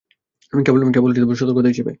কেবল সতর্কতা হিসাবে।